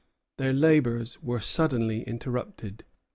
Their labors were suddenly interrupted.